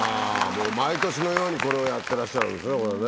もう毎年のようにこれをやってらっしゃるんですね。